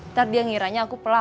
ntar dia ngiranya aku pelan